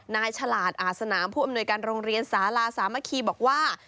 ฉลาดอาสนามผู้อำนวยการโรงเรียนสาลาสามัคคีบอกว่า